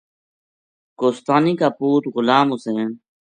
کوہستانی کا پوت غلام حسین